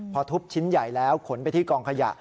พอทุบชิ้นใหญ่แล้วขนไปที่กองขยะ